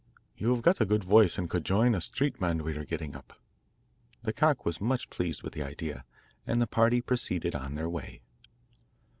You have got a good voice, and could join a street band we are getting up.' The cock was much pleased with the idea, and the party proceeded on their way.